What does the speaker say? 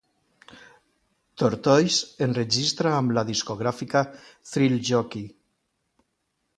Tortoise enregistra amb la discogràfica Thrill Jockey.